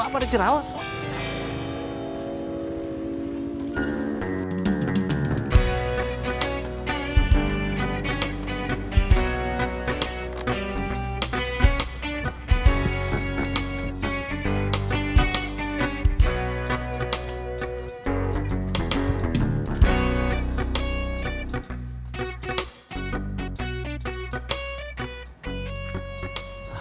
apa ada cerawak